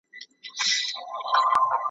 نه به تر لاندي تش کړو جامونه ,